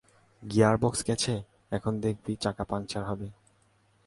Gearbox গেছে, এখন দেখবি চাকা পাংচার হবে।